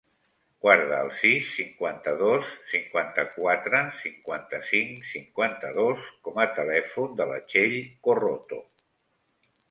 Guarda el sis, cinquanta-dos, cinquanta-quatre, cinquanta-cinc, cinquanta-dos com a telèfon de la Txell Corroto.